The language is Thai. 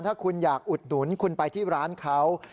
ถ้าคุณอยากอุดหนุนคุณไปที่ร้านเขา